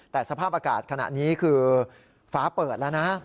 แต่สภาพอากาศขณะนี้คือฟ้าเปิดแล้วนะ